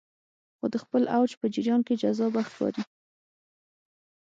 خو د خپل اوج په جریان کې جذابه ښکاري